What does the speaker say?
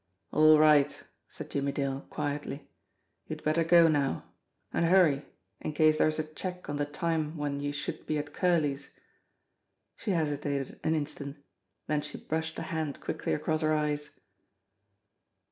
"All right," said Jimmie Dale quietly. "You'd better go now. And hurry in case there's a check on the time when you should be at Curley's." She hesitated an instant. Then she brushed a hand quickly across her eyes.